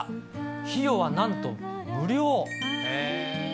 費用はなんと無料。